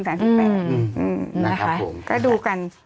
อืมนะครับคุณค่ะค่ะดูกัน